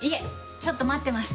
ちょっと待ってます